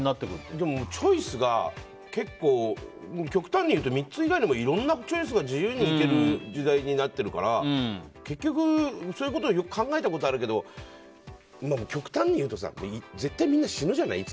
でもチョイスが結構極端に言うと３つ以外にもいろいろ行ける時代になっているから結局、そういうことを考えたことはあるけど極端にいうと、絶対みんないつか死ぬじゃん。